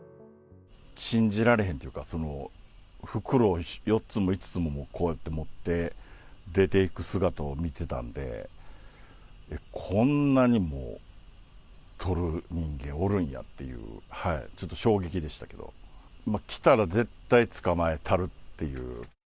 信じられへんっていうか、袋を４つも５つもこうやって持って、出ていく姿を見てたんで、こんなにもとる人間おるんやっていう、ちょっと衝撃でしたけど。来たら絶対捕まえたるっていう。